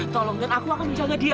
tolong dan aku akan menjaga dia